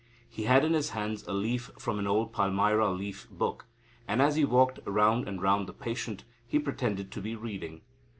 He had in his hand a leaf from an old palmyra leaf book, and, as he walked round and round the patient, he pretended to be reading.